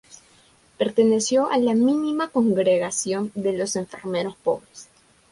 Perteneció a la Mínima Congregación de los Enfermeros Pobres.